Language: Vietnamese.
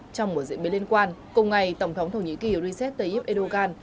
trong một diễn biến liên quan cùng ngày tổng thống thổ nhĩ kỳ recep tayyip erdogan